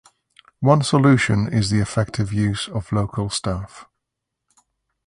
One solution is the effective use of local staff.